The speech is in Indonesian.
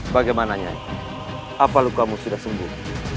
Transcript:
bagaimana nyai apa lukamu sudah sembuh